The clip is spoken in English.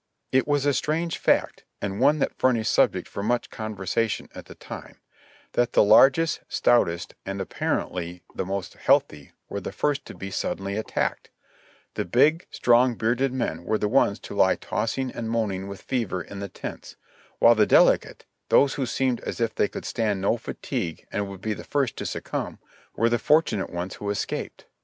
It was a strange fact, and one that furnished subject for much conversation at the time, that the largest, stoutest and appar r' A BREATHING SPELL 1 63 ently the most healthy were the first to be suddenly attacked; the big, strong, bearded men were the ones to lie tossing and moan ing with fever in the tents, while the delicate — those who seemed as if they could stand no fatigue and would be the first to suc cumb— were the fortunate ones who escaped.